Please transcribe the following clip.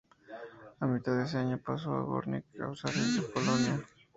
A mitad de ese año pasó al Górnik Zabrze de Polonia.